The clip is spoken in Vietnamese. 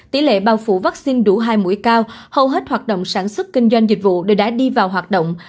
tỷ lệ bao phủ vaccine đủ hai mũi cao hầu hết hoạt động sản xuất kinh doanh dịch vụ đều đã đi vào hoạt động